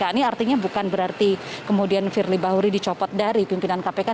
ini artinya bukan berarti kemudian firly bahuri dicopot dari pimpinan kpk